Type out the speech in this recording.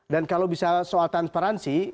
dan kalau bisa soal transparansi